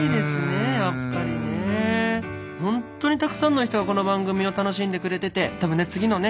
本当にたくさんの人がこの番組を楽しんでくれてて多分ね次のね